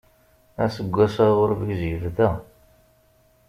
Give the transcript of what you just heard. Aseggas aɣurbiz yebda.